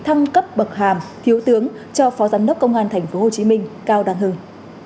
thăng cấp bậc hàm thiếu tướng cho phó giám đốc công an tp hcm cao đăng hưng